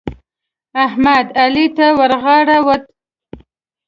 احمد؛ علي ته ورغاړه وت.